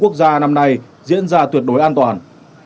quốc gia năm nay diễn ra tuyệt đối an toàn